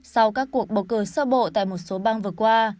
sau các cuộc bầu cử sơ bộ tại một số bang vừa qua